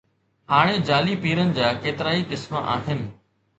هاڻي جعلي پيرن جا ڪيترائي قسم آهن.